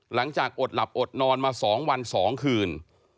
หลังจากอดหลับอดนอนมา๒วัน๒คืน